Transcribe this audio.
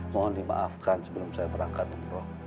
mohon dimaafkan sebelum saya berangkat umroh